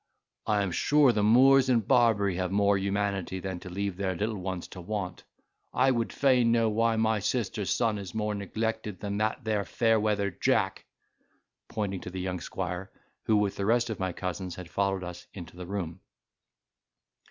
I am sure the Moors in Barbary have more humanity than to leave their little ones to want. I would fain know why my sister's son is more neglected than that there fair weather Jack" (pointing to the young squire, who with the rest of my cousins had followed us into the room).